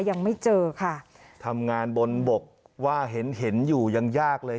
ยังไม่เจอค่ะทำงานบนบกว่าเห็นเห็นอยู่ยังยากเลย